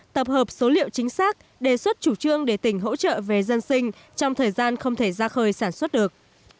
tập hợp số liệu chính xác đề xuất chủ trương để tỉnh hỗ trợ về dân sinh trong thời gian không thể ra khơi sản xuất được